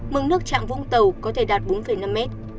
mức nước chạm vũng tàu có thể đạt bốn năm mét